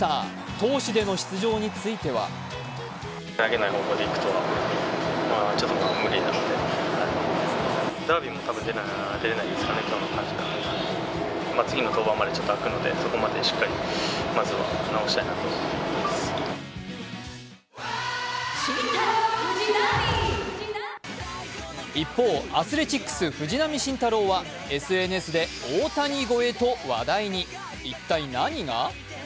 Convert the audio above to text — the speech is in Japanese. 投手での出場については一方、アスレチックス藤浪晋太郎はＳＮＳで大谷超えと話題に一体何が？